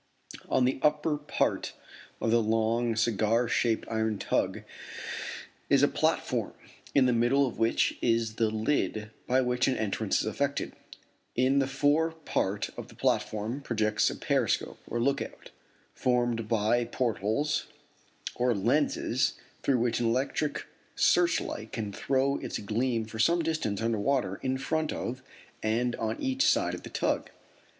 On the upper part of the long cigar shaped iron tug is a platform in the middle of which is the "lid" by which an entrance is effected. In the fore part of the platform projects a periscope, or lookout, formed by port holes or lenses through which an electric searchlight can throw its gleam for some distance under water in front of and on each side of the tug.